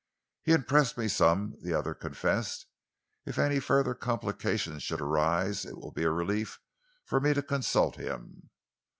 "He impressed me some," the other confessed. "If any further complications should arise, it will be a relief for me to consult him."